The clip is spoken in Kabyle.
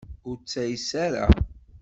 Ur ttayes ara.